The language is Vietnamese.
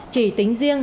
chỉ tính riêng